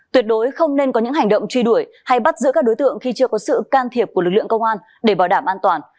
tuyệt đối không nên có những hành động truy đuổi hay bắt giữ các đối tượng khi chưa có sự can thiệp của lực lượng công an để bảo đảm an toàn